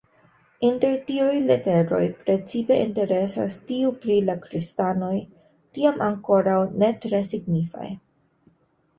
Inter tiuj leteroj precipe interesas tiu pri la kristanoj, tiam ankoraŭ ne tre signifaj.